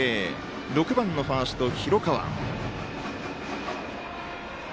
６番のファースト、広川。